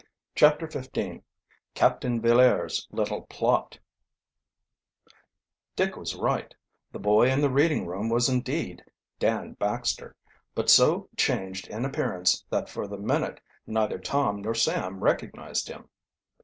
CHAPTER XV CAPTAIN VILLAIRE'S LITTLE PLOT Dick was right: the boy in the reading room' was indeed Dan Baxter, but so changed in appearance that for the minute neither Tom nor Sam recognized him.